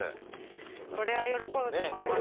これは喜ぶと思います。